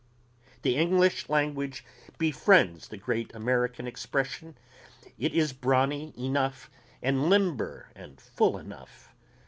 The English language befriends the grand American expression ... it is brawny enough and limber and full enough